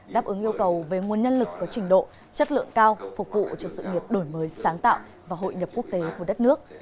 đáp ứng yêu cầu về nguồn nhân lực có trình độ chất lượng cao phục vụ cho sự nghiệp đổi mới sáng tạo và hội nhập quốc tế của đất nước